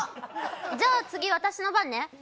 じゃあ、次、私の番ね。